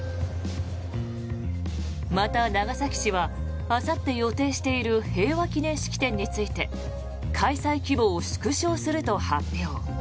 また、長崎市はあさって予定している平和祈念式典について開催規模を縮小すると発表。